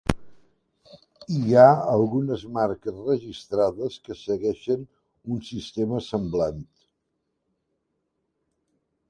Hi ha algunes marques registrades que segueixen un sistema semblant.